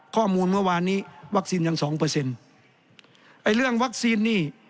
ข้อมูลเมื่อวานนี้วัคซีนยังสองเปอร์เซ็นต์ไอ้เรื่องวัคซีนนี่